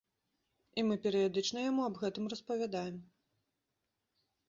І мы перыядычна яму аб гэтым распавядаем.